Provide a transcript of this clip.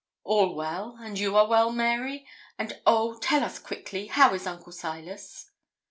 'All well, and you are well, Mary? and oh! tell us quickly how is Uncle Silas?'